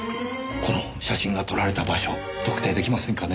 この写真が撮られた場所特定出来ませんかね？